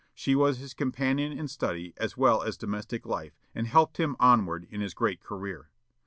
She was his companion in study, as well as domestic life, and helped him onward in his great career.